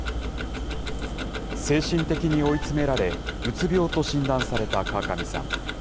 精神的に追い詰められ、うつ病と診断された川上さん。